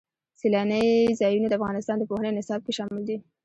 سیلانی ځایونه د افغانستان د پوهنې نصاب کې شامل دي.